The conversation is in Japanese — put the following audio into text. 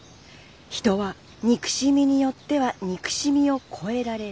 人は憎しみによっては憎しみを越えられない」。